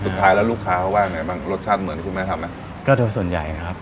สุดท้ายแล้วลูกค้าเขาว่ายังไงบ้างรสชาติเหมือนคุณแม่ทำไหมก็โดยส่วนใหญ่ครับ